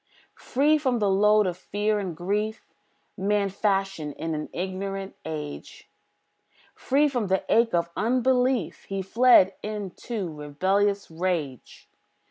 Free from the load of fear and grief, Man fashioned in an ignorant age; Free from the ache of unbelief He fled to in rebellious rage.